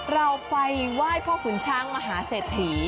เราไปไหว้พ่อขุนช้างมหาเศรษฐี